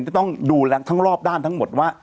จะต้องดูแลทั้งรอบด้านทั้งหมดว่า